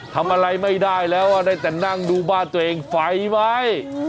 ทำอะไรไม่ได้แล้วได้แต่นั่งดูบ้านตัวเองไฟไหม